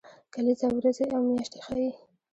کلیزه ورځې او میاشتې ښيي